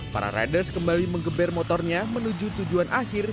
para riders kembali mengeber motornya menuju tujuan akhir